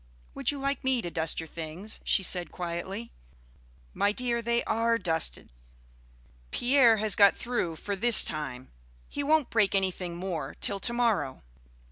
"Would you like me to dust your things?" she said quietly. "My dear, they are dusted. Pierre has got through for this time. He won't break anything more till to morrow."